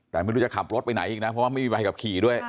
แต่ไม่รู้จะขับรถไปไหนอีกนะเพราะว่าไม่มีใบขับขี่ด้วย